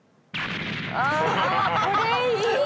あこれいい！